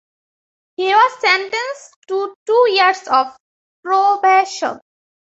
He was sentenced to two years of probation.